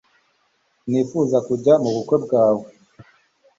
Sinifuzaga kujya mubukwe bwawe